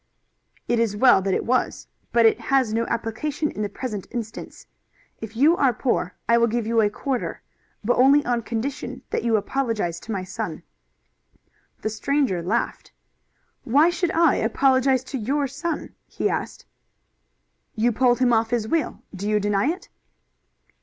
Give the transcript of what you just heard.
"It is well that it was. But it has no application in the present instance. If you are poor I will give you a quarter, but only on condition that you apologize to my son." The stranger laughed. "Why should I apologize to your son?" he asked. "You pulled him off his wheel. Do you deny it?"